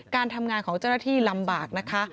การทำงานของเจ้าหน้าที่ลำบากนะคะ